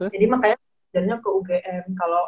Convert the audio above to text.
jadi makanya mau ke ugm